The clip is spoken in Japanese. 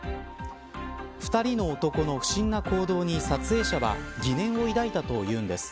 ２人の男の不審な行動に撮影者は疑念を抱いたというんです。